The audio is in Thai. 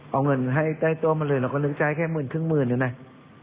เอาเงินให้ได้ตัวมาเลยเราก็นึกได้แค่หมื่นครึ่งหมื่นเลยนะ